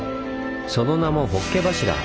その名も「ホッケ柱」。